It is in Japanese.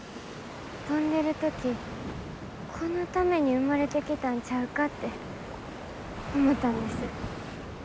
飛んでる時このために生まれてきたんちゃうかって思ったんです。